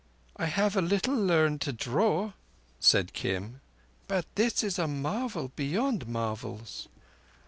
"I have a little learned to draw," said Kim. "But this is a marvel beyond marvels."